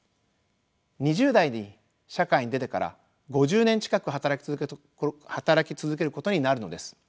２０代に社会に出てから５０年近く働き続けることになるのです。